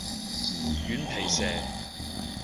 軟皮蛇